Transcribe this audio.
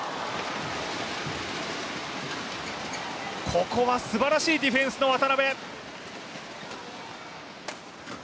ここはすばらしいディフェンスの渡辺。